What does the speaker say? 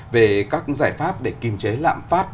về các giải pháp để kiềm chế lạm phát